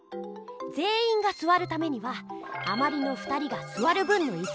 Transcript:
ぜんいんがすわるためにはあまりの２人がすわる分のいす